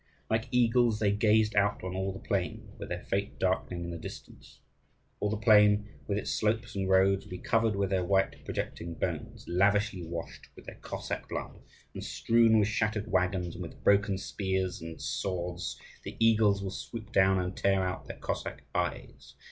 Like eagles they gazed out on all the plain, with their fate darkling in the distance. All the plain, with its slopes and roads, will be covered with their white projecting bones, lavishly washed with their Cossack blood, and strewn with shattered waggons and with broken swords and spears; the eagles will swoop down and tear out their Cossack eyes.